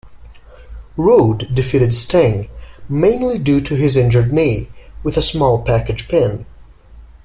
Rude defeated Sting, mainly due to his injured knee, with a small package pin.